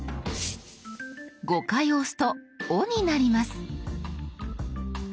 ５回押すと「お」になります。